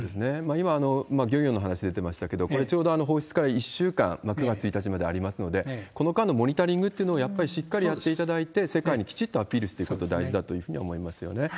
今、漁業の話出てましたけれども、これ、ちょうど放出から１週間、９月１日までありますので、この間のモニタリングっていうのをやっぱりしっかりやっていただいて、せかいにきちっとアピールしていくことが大事だと思いますよね。